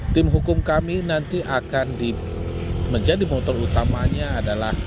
tim hukum kami nanti akan menjadi motor utamanya adalah